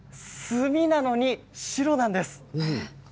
墨なのに白なんです。